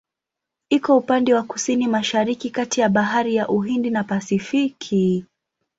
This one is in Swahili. Iko upande wa Kusini-Mashariki kati ya Bahari ya Uhindi na Pasifiki.